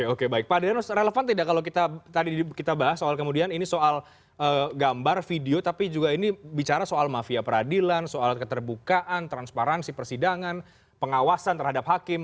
oke baik pak denos relevan tidak kalau kita tadi kita bahas soal kemudian ini soal gambar video tapi juga ini bicara soal mafia peradilan soal keterbukaan transparansi persidangan pengawasan terhadap hakim